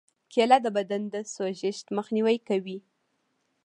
کېله د بدن د سوزش مخنیوی کوي.